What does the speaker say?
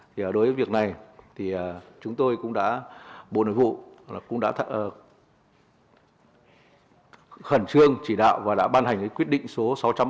thì đối với việc này chúng tôi cũng đã bộ nội vụ cũng đã khẩn trương chỉ đạo và đã ban hành quyết định số sáu trăm bảy mươi hai